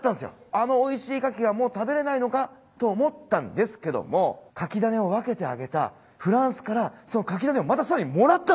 あのおいしいカキがもう食べれないのかと思ったんですけどもカキ種を分けてあげたフランスからそのカキ種をまたさらにもらったんすよ。